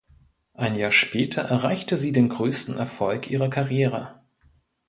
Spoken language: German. Ein Jahr später erreichte sie den größten Erfolg ihrer Karriere.